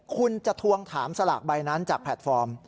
คุณจะทวงถามสลากใบนั้นจากแพลตฟอร์ม